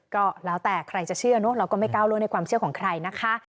ก็แล้วแต่ใครจะเชื่อเนอะเราก็ไม่ก้าวล่วงในความเชื่อของใครนะคะ